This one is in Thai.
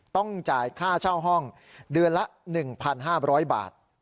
ต้องจ่ายค่าเช่าห้องเดือนละ๑๕๐๐บาท